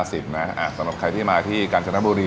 สำหรับใครที่มาที่กาญจนบุรี